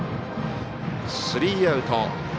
スリーアウト。